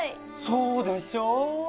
そうでしょう。